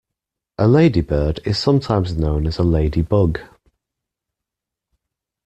A ladybird is sometimes known as a ladybug